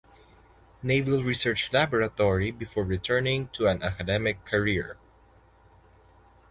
Naval Research Laboratory before returning to an academic career.